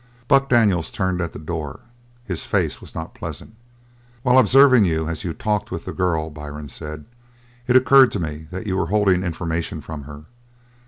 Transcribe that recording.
Buck Daniels turned at the door; his face was not pleasant. "While observing you as you talked with the girl," Byrne said, "it occurred to me that you were holding information from her.